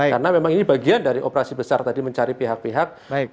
karena memang ini bagian dari operasi besar tadi mencari pihak pihak